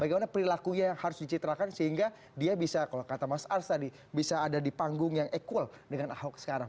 bagaimana perilakunya yang harus dicitrakan sehingga dia bisa kalau kata mas ars tadi bisa ada di panggung yang equal dengan ahok sekarang